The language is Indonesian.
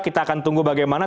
kita akan tunggu bagaimana